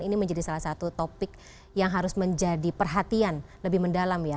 ini menjadi salah satu topik yang harus menjadi perhatian lebih mendalam ya